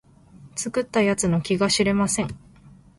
作った奴の気が知れません